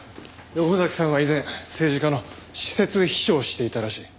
横崎さんは以前政治家の私設秘書をしていたらしい。